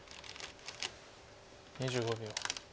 ２５秒。